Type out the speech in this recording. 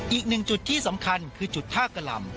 อีกหนึ่งจุดที่สำคัญคือจุดท่ากะหล่ำ